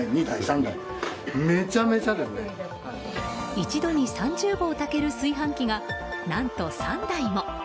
一度に３０合炊ける炊飯器が何と３台も。